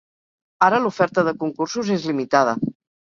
Ara l'oferta de concursos és limitada.